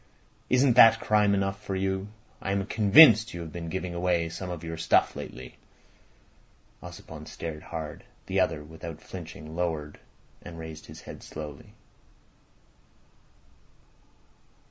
Isn't that crime enough for you? I am convinced you have been giving away some of your stuff lately." Ossipon stared hard. The other, without flinching, lowered and raised his head slowly.